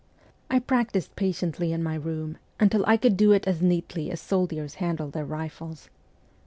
I practised patiently in my room until I could do it as neatly as soldiers handle their rifles.